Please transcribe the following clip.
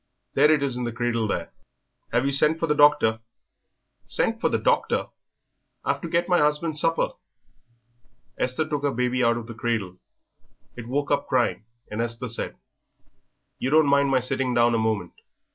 There it is in the cradle there." "Have you sent for the doctor?" "Sent for the doctor! I've to get my husband's supper." Esther took her baby out of the cradle. It woke up crying, and Esther said, "You don't mind my sitting down a moment.